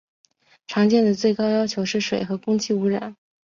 常见的最高要求是水和空气污染。